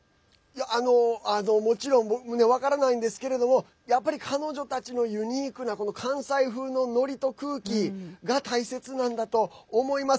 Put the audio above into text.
もちろん僕もね分からないんですけどやっぱり、彼女たちのユニークな関西風のノリと空気が大切なんだと思います。